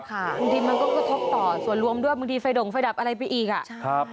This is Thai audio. บางทีมันก็กระทบต่อส่วนรวมด้วยบางทีไฟด่งไฟดับอะไรไปอีกอ่ะ